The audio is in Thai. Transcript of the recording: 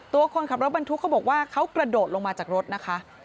คนขับรถบรรทุกเขาบอกว่าเขากระโดดลงมาจากรถนะคะ